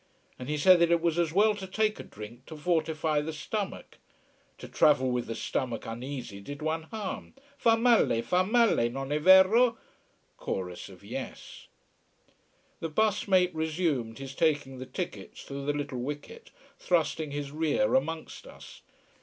And he said that it was as well to take a drink, to fortify the stomach. To travel with the stomach uneasy did one harm: fa male, fa male non è vero? Chorus of "yes." The bus mate resumed his taking the tickets through the little wicket, thrusting his rear amongst us.